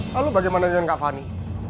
lalu bagaimana dengan kak fani